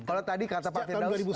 kalau tadi kata pak firdaus